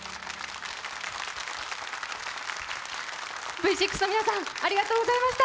Ｖ６の皆さんありがとうございました。